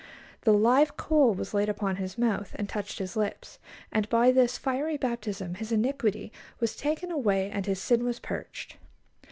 The "live coal" was laid upon his mouth, and touched his lips; and by this fiery baptism his iniquity was taken away and his sin was purged.